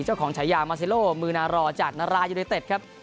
เจ้าของฉายามาเซโลมือนารอจากนารายุนิเตศครับ